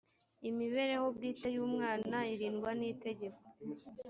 imibereho bwite y umwana irindwa n itegeko